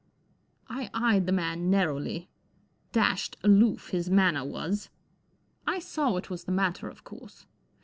I eyed the man narrowly. Dashed aloof his manner was. I saw what was the matter, of course.